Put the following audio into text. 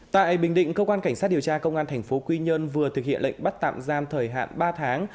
tại bình định cơ quan cảnh sát điều tra công an tp quy nhơn vừa thực hiện lệnh bắt tạm giam thời hạn ba tháng